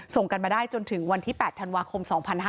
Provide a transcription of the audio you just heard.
ส่งกันมาได้จนถึงวันที่๘ธันวาคม๒๕๕๙